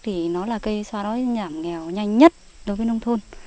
thì nó là cây xóa đói giảm nghèo nhanh nhất đối với nông thôn